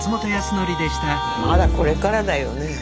まだこれからだよねえ。